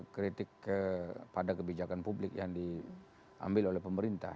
kritik kepada kebijakan publik yang diambil oleh pemerintah